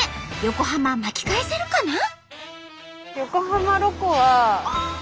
横浜巻き返せるかな？